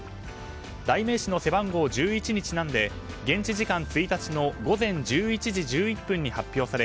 代名詞の背番号１１にちなんで現地時間１日の午前１１時１１分に発表され